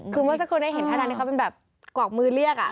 คือเมื่อสักความได้เห็นท่าท่านเขาเป็นแบบกวับมือเรียก